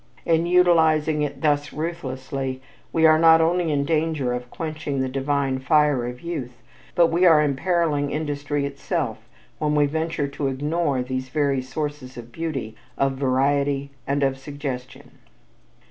In utilizing it thus ruthlessly we are not only in danger of quenching the divine fire of youth, but we are imperiling industry itself when we venture to ignore these very sources of beauty, of variety and of suggestion.